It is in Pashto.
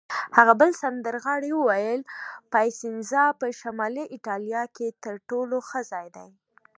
هغه بل سندرغاړي وویل: پایسنزا په شمالي ایټالیا کې تر ټولو ښه ځای دی.